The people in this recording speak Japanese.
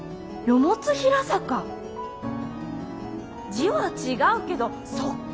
字は違うけどそっか！